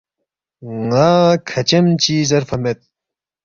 نہ کھچیم چی زیرفا مید